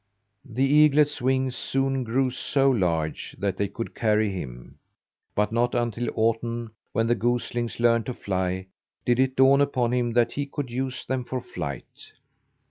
The eaglet's wings soon grew so large that they could carry him; but not until autumn, when the goslings learned to fly, did it dawn upon him that he could use them for flight.